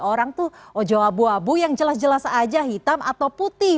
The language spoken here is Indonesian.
orang tuh ojo abu abu yang jelas jelas aja hitam atau putih